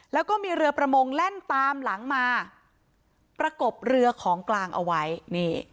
แล้วก็มีเรือประมงแล่นตามหลังมาประกบเรือของกลางเอาไว้นี่